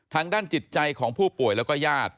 ทางด้านจิตใจของผู้ป่วยแล้วก็ญาติ